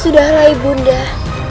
sudahlah ibu undang